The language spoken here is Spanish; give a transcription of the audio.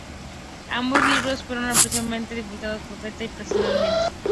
Ambos libros fueron ampliamente divulgados profana y profesionalmente.